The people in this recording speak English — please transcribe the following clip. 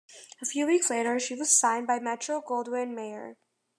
A few weeks later, she was signed by Metro-Goldwyn-Mayer.